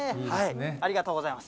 ありがとうございます。